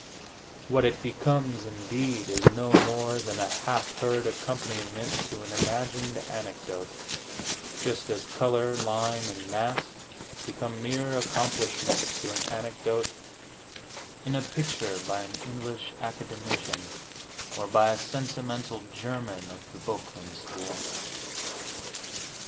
What it becomes, indeed, is no more than a half heard accompaniment to an imagined anecdote, just as color, line and mass become mere accomplishments to an anecdote in a picture by an English academician, or by a sentimental German of the Boecklin school.